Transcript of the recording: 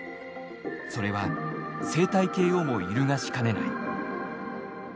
それは生態系をも揺るがしかねない。